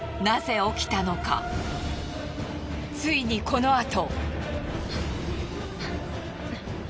ついにこのあと。